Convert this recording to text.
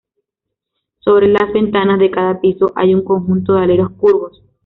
Sobre las ventanas de cada piso hay un conjunto de aleros curvos.